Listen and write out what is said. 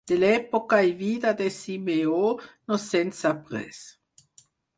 De l'època i vida de Simeó no se'n sap res.